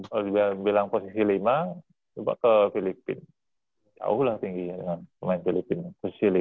kalau dia bilang posisi lima coba ke filipina jauh lah tingginya dengan pemain filipina